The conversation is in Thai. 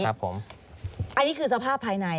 ครับผมอันนี้คือสภาพภายใน